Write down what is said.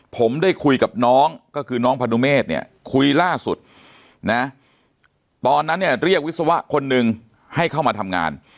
ผมได้คุยกับน้องก็คือน้องพนุเมฆเนี่ยคุยล่าสุดนะตอนนั้นเนี่ยเรียกวิศวะคนหนึ่งให้เข้ามาทำงาน